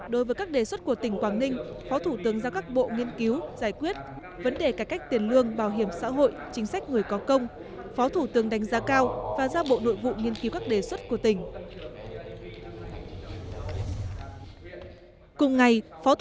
đối với các đề xuất của tỉnh quảng ninh phó thủ tướng ra các bộ nghiên cứu giải quyết vấn đề cải cách tiền lương bảo hiểm xã hội chính sách người có công phó thủ tướng đánh giá cao và giao bộ nội vụ nghiên cứu các đề xuất của tỉnh